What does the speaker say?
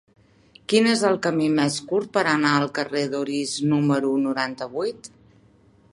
Quin és el camí més curt per anar al carrer d'Orís número noranta-vuit?